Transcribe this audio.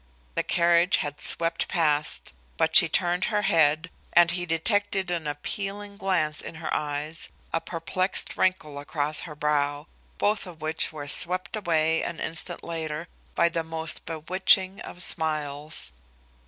The carriage had swept past, but she turned her head, and he detected an appealing glance in her eyes, a perplexed wrinkle across her brow, both of which were swept away an instant later by the most bewitching of smiles.